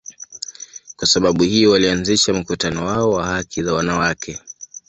Kwa sababu hiyo, walianzisha mkutano wao wa haki za wanawake.